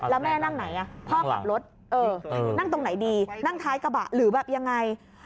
แล้วแม่นั่งไหนพ่อขับรถนั่งตรงไหนดีนั่งท้ายกระบะหรือแบบยังไง